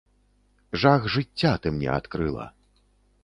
Жах жыцця ты мне адкрыла.